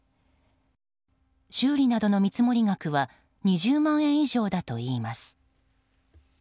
修理などの見積もり額は２０万円以上だといいます。